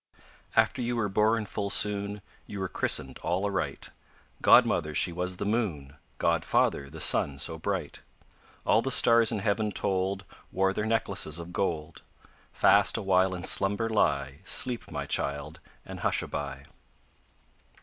After you were born full soon, You were christened all aright; Godmother she was the moon, Godfather the sun so bright. All the stars in heaven told Wore their necklaces of gold. Fast awhile in slumber lie; Sleep, my child, and hushaby.